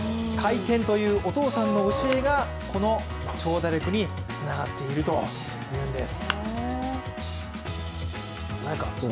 回転というお父さんの教えがこの長打力につながっているというんです。